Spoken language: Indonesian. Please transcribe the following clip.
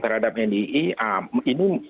terhadap nii ini